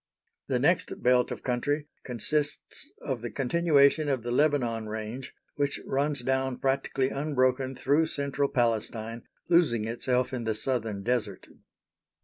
The next belt of country consists of the continuation of the Lebanon range, which runs down practically unbroken through central Palestine, losing itself in the Southern Desert.